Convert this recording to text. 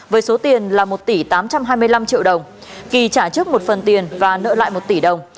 với số tiền là một tỷ tám trăm hai mươi năm triệu đồng kỳ trả trước một phần tiền và nợ lại một tỷ đồng